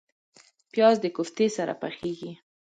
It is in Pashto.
پیاز د کوفتې سره پخیږي